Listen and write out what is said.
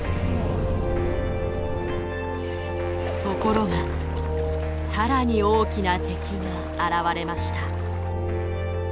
ところが更に大きな敵が現れました。